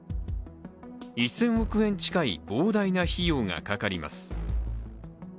１０００億円近い膨大な費用がかかります。